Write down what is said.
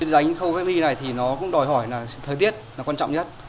đánh khâu vét ni này thì nó cũng đòi hỏi là thời tiết là quan trọng nhất